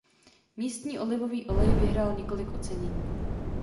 Místní olivový olej vyhrál několik ocenění.